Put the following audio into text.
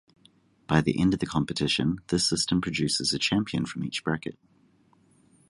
By the end of the competition, this system produces a champion from each bracket.